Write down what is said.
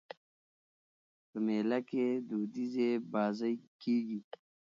په مېله کښي دودیزي بازۍ کېږي.